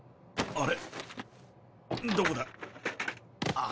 あれ？